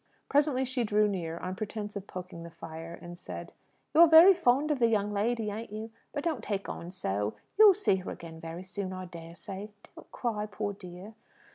Presently she drew near, on pretence of poking the fire, and said "You're very fond of the young lady, ain't you? But don't take on so. You'll see her again very soon, I dare say. Don't cry, poor dear!"